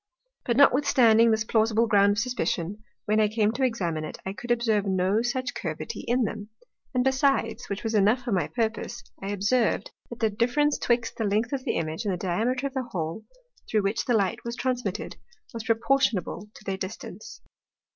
But notwithstanding this plausible ground of suspicion, when I came to examine it, I could observe no such Curvity in them. And besides (which was enough for my purpose) I observ'd, that the difference 'twixt the length of the Image, and Diameter of the Hole, through which the Light was transmitted, was proportionable to their distance.